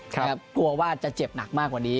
กลัวว่าจะเจ็บหนักมากกว่านี้